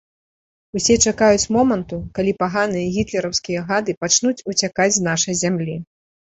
Усе чакаюць моманту, калі паганыя гітлераўскія гады пачнуць уцякаць з нашай зямлі.